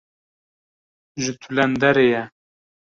ji Tulenderê ye